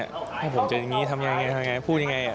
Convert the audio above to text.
พี่แซ็คผมจะอย่างนี้ทำยังไงพูดอย่างไร